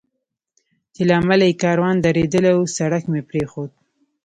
چې له امله یې کاروان درېدلی و، سړک مې پرېښود.